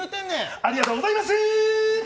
ありがとうございます！